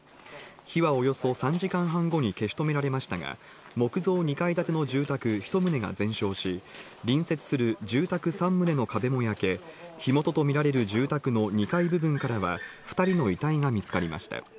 火はおよそ３時間半後に消し止められましたが、木造２階建の住宅１棟が全焼し、隣接する住宅３棟の壁も焼け、火元とみられる住宅の２階部分からは２人の遺体が見つかりました。